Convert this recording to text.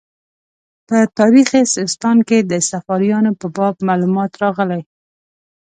په تاریخ سیستان کې د صفاریانو په باب معلومات راغلي.